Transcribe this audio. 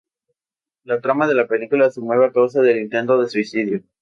La trama de la película se mueve a causa del intento de suicidio.